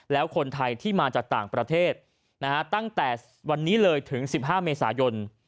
แล้วคนไทยที่มาจากต่างประเทศตั้งแต่วันนี้เลยถึง๑๕เมษายน